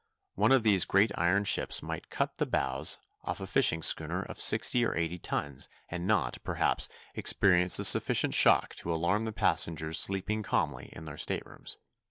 One of these great iron ships might cut the bows off a fishing schooner of sixty or eighty tons and not, perhaps, experience a sufficient shock to alarm the passengers sleeping calmly in their staterooms."